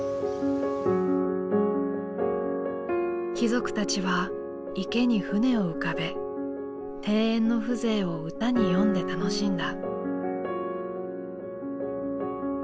貴族たちは池に船を浮かべ庭園の風情を歌に詠んで楽しんだ。